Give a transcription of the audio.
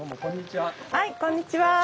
はいこんにちは。